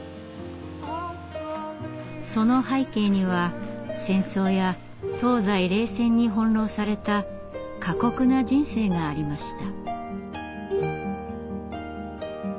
その背景には戦争や東西冷戦に翻弄された過酷な人生がありました。